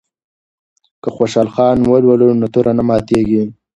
که خوشحال خان ولولو نو توره نه ماتیږي.